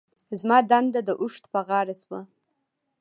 زما دنده د اوښ په غاړه شوه.